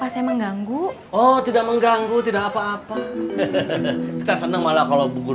saya mau bicara dengan pak akung